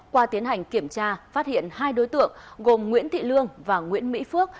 qua tiến hành kiểm tra phát hiện hai đối tượng gồm nguyễn thị lương và nguyễn mỹ phước